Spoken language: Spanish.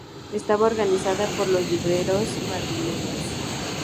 Estaba organizada por los libreros madrileños.